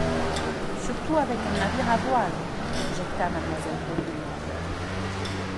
Surtout avec un navire à voiles, objecta Mademoiselle Pauline.